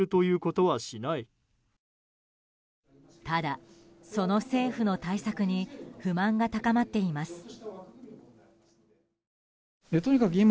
ただ、その政府の対策に不満が高まっています。